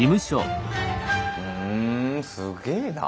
ふんすげえなあ。